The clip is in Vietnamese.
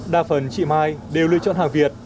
đa phần chị mai đều lựa chọn hàng việt